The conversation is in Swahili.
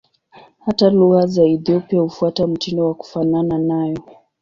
Hata lugha za Ethiopia hufuata mtindo wa kufanana nayo.